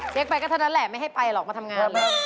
ไปก็เท่านั้นแหละไม่ให้ไปหรอกมาทำงาน